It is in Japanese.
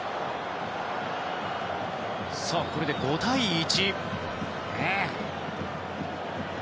これで５対１。